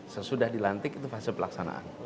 sesudah dilantik itu fase pelaksanaan